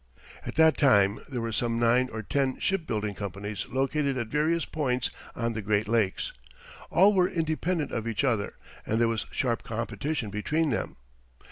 At that time there were some nine or ten shipbuilding companies located at various points on the Great Lakes. All were independent of each other and there was sharp competition between them.